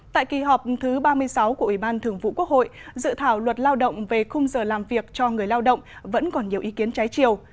tại kỳ họp thứ ba mươi sáu của ủy ban thường vụ quốc hội dự thảo luật lao động về khung giờ làm việc cho người lao động vẫn còn nhiều ý kiến trái chiều